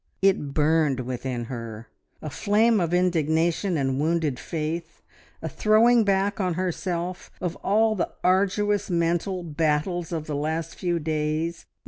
It burned within her a flame of indignation and wounded faith, a throwing back on herself of all the arduous mental battles of the last few days.